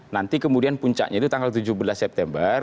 nanti kemudian puncaknya itu tanggal tujuh belas september